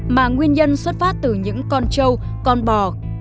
mà nguyên nhân xuất phát từ những con trâu con bò